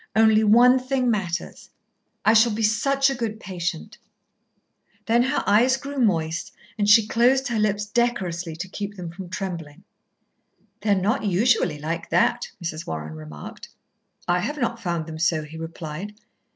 Only one thing matters. I shall be such a good patient.' Then her eyes grew moist, and she closed her lips decorously to keep them from trembling. "They're not usually like that," Mrs. Warren remarked. "I have not found them so," he replied.